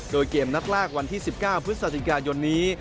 โดยเกมนัดแรกวันที่๑๙พฤศจิกายนนี้